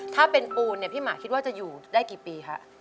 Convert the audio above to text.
ถ้าเป็นปูนเนี่ยพี่หมาคิดว่าจะอยู่ได้กี่ปีคะ